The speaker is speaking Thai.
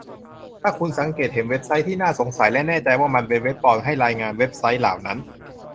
ถ้าคุณสังเกตเห็นเว็บไซต์ที่น่าสงสัยและแน่ใจว่ามันเป็นเว็บปลอมให้รายงานเว็บไชต์เหล่านั้น